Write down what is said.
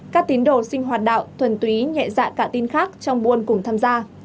các tín đồ sinh hoạt đạo thuần túy nhẹ dạ cả tin khác trong buôn cùng tham gia